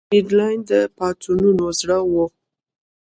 منډلینډ د پاڅونونو زړه وو.